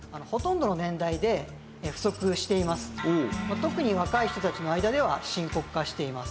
特に若い人たちの間では深刻化しています。